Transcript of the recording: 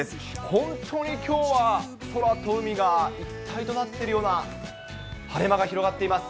本当にきょうは、空と海が一体となっているような、晴れ間が広がっています。